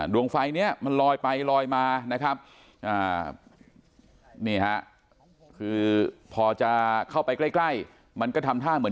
ดวงไฟนี้มันลอยไปลอยมาพอจะเข้าไปใกล้มันก็ทำท่ามึง